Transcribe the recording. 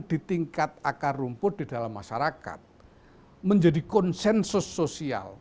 di tingkat akar rumput di dalam masyarakat menjadi konsensus sosial